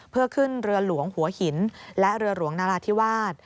เพื่อขึ้นเรือหลวงหัวหินและเรือหลวงนราธิวาส